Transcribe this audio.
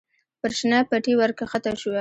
پر شنه پټي ور کښته شوه.